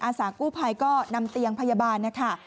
สากู้ภัยก็นำเตียงพยาบาลนะคะ